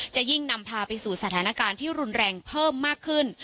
จะยิ่งนำพาไปสู่สถานการณ์ที่รุนแรงเพิ่มมากขึ้น